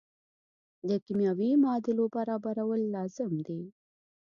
د کیمیاوي معادلو برابرول لازم دي.